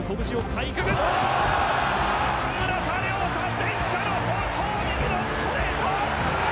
村田諒太、伝家の宝刀右のストレート。